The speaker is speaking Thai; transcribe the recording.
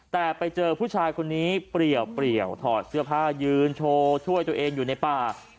แต่ไปเจอผู้ชายคนนี้เปรียวถอดเสื้อผ้ายืนโชว์ช่วยตัวเองอยู่ในป่า